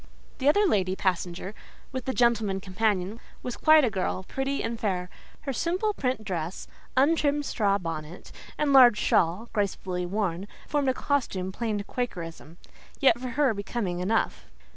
The other lady passenger, with the gentleman companion, was quite a girl, pretty and fair: her simple print dress, untrimmed straw bonnet and large shawl, gracefully worn, formed a costume plain to quakerism: yet, for her, becoming enough.